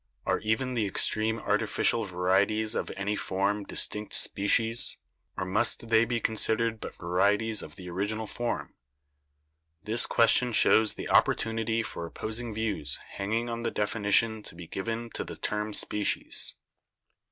Are even the extreme artificial va rieties of any form distinct species or must they be con sidered but varieties of the original form? This question shows the opportunity for opposing views hinging on the definition to be given to the term species.